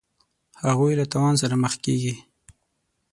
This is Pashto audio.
هغوی له تاوان سره مخ کیږي.